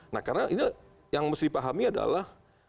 nah karena ini yang mesti dipahami adalah